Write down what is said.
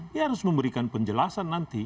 dia harus memberikan penjelasan nanti